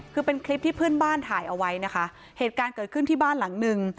คือเป็นคลิปที่เพื่อนบ้านถ่ายเอาไว้นะคะเหตุการณ์เกิดขึ้นที่บ้านหลังนึง